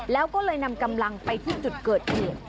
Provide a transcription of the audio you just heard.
แล้วก็เลยนำกำลังไปที่จุดเกิดเหตุ